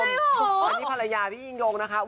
อันนี้ภรรยาพี่ยิ่งยงนะคะ